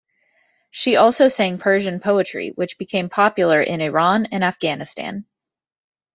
She also sang Persian poetry, which became popular in Iran and Afghanistan.